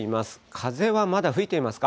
風はまだ吹いていますか？